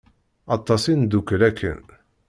Aṭas i neddukel akken.